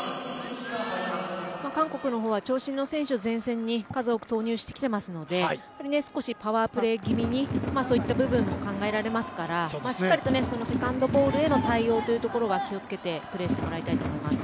韓国は長身の選手を前線に数多く投入して少しパワープレー気味にそういった部分も考えられますから、しっかりとセカンドボールへの対応を気を付けてプレーしてもらいたいと思います。